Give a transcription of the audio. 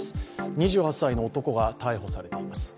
２８歳の男が逮捕されています。